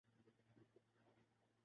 فرق واضح ہے۔